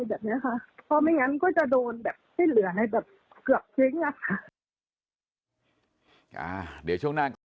เพราะไม่งั้นก็จะโดนให้เหลือในแบบเกือบเฮ้ง